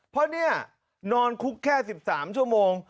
เพราะนี่นอนคุกแค่๑๓ชั่วโมง